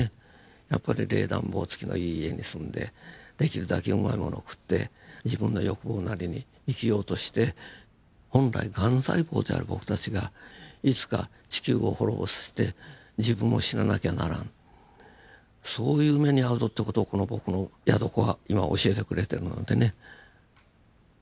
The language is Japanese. やっぱり冷暖房付きのいい家に住んでできるだけうまいものを食って自分の欲望なりに生きようとして本来ガン細胞である僕たちがいつか地球を滅ぼして自分も死ななきゃならんそういう目に遭うぞって事をこの僕の宿子は今教えてくれてるのでね。